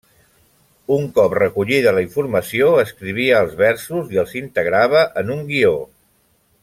Un cop recollida la informació escrivia els versos i els integrava en un guió.